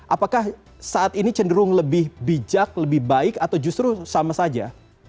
apakah saat ini cenderung lebih bijak lebih baik atau justru sama saja